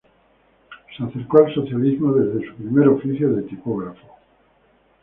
Se acercó al socialismo desde su primer oficio de tipógrafo.